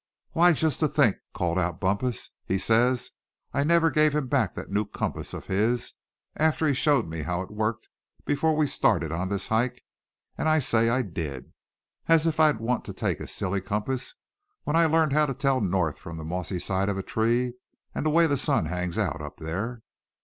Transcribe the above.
"Why, just to think," called out Bumpus, "he says I never gave him back that new compass of his, after he showed me how it worked, before we started on this hike; and I say I did. As if I'd want to take his silly compass, when I learned how to tell north from the mossy side of a tree, and the way the sun hangs out up there."